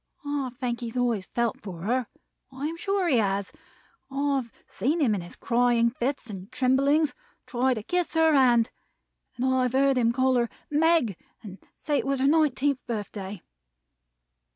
I think he has always felt for her. I am sure he has. I've seen him in his crying fits and tremblings, try to kiss her hand; and I have heard him call her 'Meg,' and say it was her nineteenth birthday.